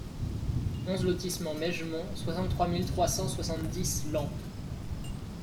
onze lotissement Mègemont, soixante-trois mille trois cent soixante-dix Lempdes